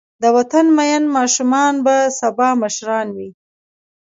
د وطن مین ماشومان به سبا مشران وي.